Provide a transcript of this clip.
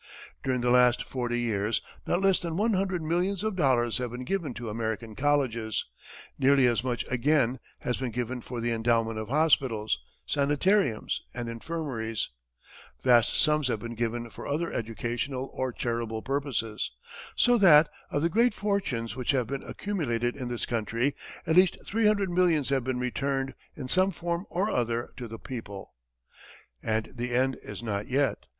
During the last forty years, not less than one hundred millions of dollars have been given to American colleges; nearly as much again has been given for the endowment of hospitals, sanitariums and infirmaries; vast sums have been given for other educational or charitable purposes, so that, of the great fortunes which have been accumulated in this country, at least three hundred millions have been returned, in some form or other, to the people. And the end is not yet.